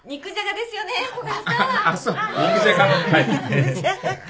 肉じゃがか。